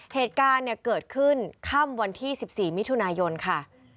เหตุการณ์เกิดขึ้นค่ำวันที่๑๔มิถุนายนค่ะ